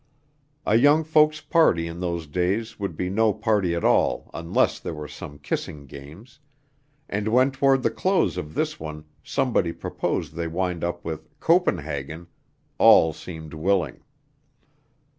A young folks' party in those days would be no party at all unless there were some kissing games, and when toward the close of this one, somebody proposed they wind up with "Copenhagen," all seemed willing.